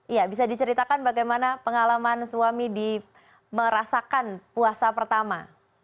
iya bisa diceritakan bagaimana pengalaman suami di merasakan puasa pertama